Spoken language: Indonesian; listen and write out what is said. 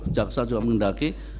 jaksa juga menghendaki